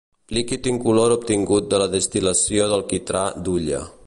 Líquid incolor obtingut de la destil·lació del quitrà d'hulla.